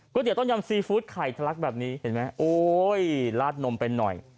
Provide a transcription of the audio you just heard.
เตี๋ต้มยำซีฟู้ดไข่ทะลักแบบนี้เห็นไหมโอ้ยลาดนมไปหน่อย